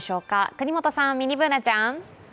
國本さん、ミニＢｏｏｎａちゃん。